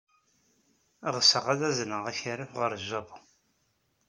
Ɣseɣ ad azneɣ akaraf ɣer Japun.